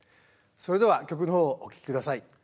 それでは曲の方をお聴き下さい。